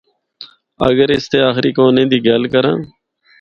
اگر اس دے آخری کونے دی گل کراں۔